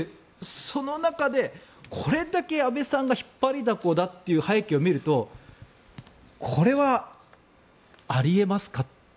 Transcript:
その中で、これだけ安倍さんが引っ張りだこだという背景を見るとこれは、あり得ますか？